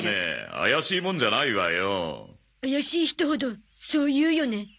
怪しい人ほどそう言うよね。